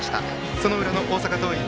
その裏、大阪桐蔭。